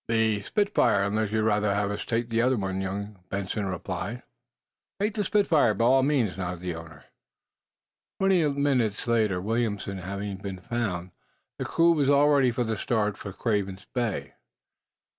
"The 'Spitfire,' unless you'd rather have us take the other one," young Benson replied. "Take the 'Spitfire,' by all means," nodded the owner. Twenty minutes later, Williamson having been found, the crew was all ready for the start for Craven's Bay.